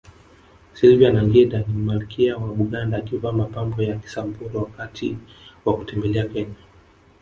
Sylvia Nagginda ni malkia wa Buganda akivaa mapambo ya Kisamburu wakati wa kutembelea Kenya